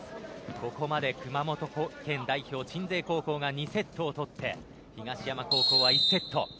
ここまで、熊本県代表鎮西高校が２セットを取って東山高校は１セット。